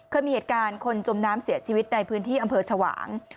เคยมีเหตุการณ์คนจมน้ำเสียชีวิตในพื้นที่อำเภอชวาง